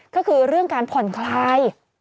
ก็คือเรื่องการผ่อนคลาย